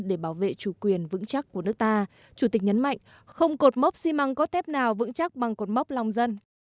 để bảo vệ chủ quyền vững chắc của nước ta chủ tịch nhấn mạnh không cột mốc xi măng có thép nào vững chắc bằng cột mốc lòng dân